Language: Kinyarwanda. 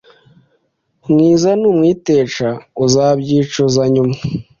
mwiza numwitesha uzabyicuza nyuma